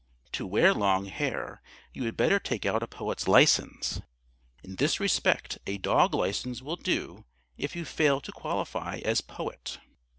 To wear long hair, you had better take out a Poet's license. In this respect a dog license will do if you fail to qualify as Poet.